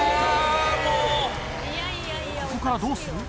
ここからどうする？